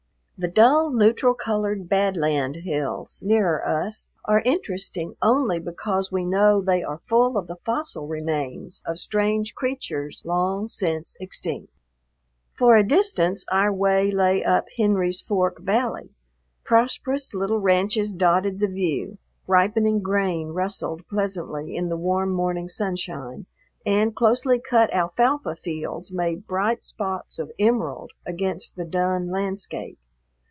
The dull, neutral colored "Bad Land" hills nearer us are interesting only because we know they are full of the fossil remains of strange creatures long since extinct. For a distance our way lay up Henry's Fork valley; prosperous little ranches dotted the view, ripening grain rustled pleasantly in the warm morning sunshine, and closely cut alfalfa fields made bright spots of emerald against the dun landscape.